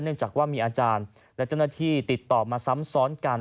จากว่ามีอาจารย์และเจ้าหน้าที่ติดต่อมาซ้ำซ้อนกัน